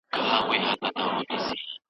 تېر خو به شي خو هېر به نه شي